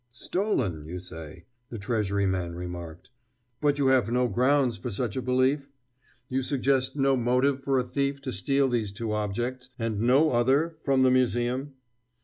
"'Stolen,' you say," the Treasury man remarked. "But you have no grounds for such a belief? You suggest no motive for a thief to steal these two objects and no other from the museum?